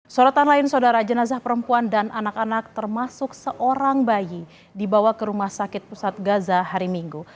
sorotan lain saudara jenazah perempuan dan anak anak termasuk seorang bayi dibawa ke rumah sakit pusat gaza hari minggu